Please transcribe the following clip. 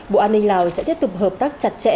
bộ an ninh lào sẽ tiếp tục hợp tác chặt chẽ